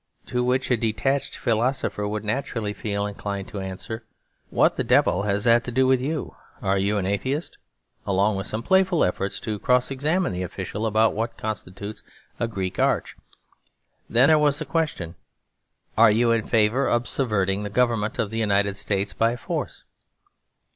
To which a detached philosopher would naturally feel inclined to answer, 'What the devil has that to do with you? Are you an atheist?' along with some playful efforts to cross examine the official about what constitutes an [Greek: archê]. Then there was the question, 'Are you in favour of subverting the government of the United States by force?'